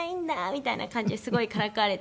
みたいな感じですごいからかわれて。